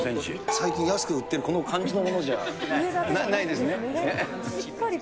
最近安く売ってる感じのものじゃないですね。